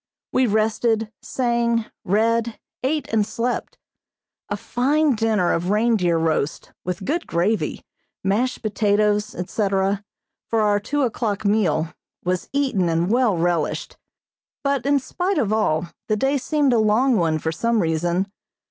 We rested, sang, read, ate and slept. A fine dinner of reindeer roast, with good gravy, mashed potatoes, etc., for our two o'clock meal, was eaten and well relished; but in spite of all the day seemed a long one for some reason.